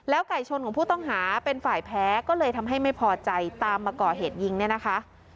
ไก่ชนของผู้ต้องหาเป็นฝ่ายแพ้ก็เลยทำให้ไม่พอใจตามมาก่อเหตุยิงเนี่ยนะคะ